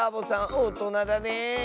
おとなだねえ。